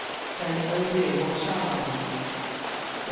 say "Oh dear, what shall I do?" 160.